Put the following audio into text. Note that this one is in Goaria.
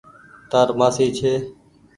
تآر مآسي ڇي۔